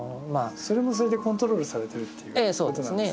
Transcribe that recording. それもそれでコントロールされてるということなんですね。